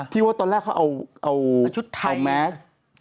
คือตอนแรกเขาเอาแม็กซ์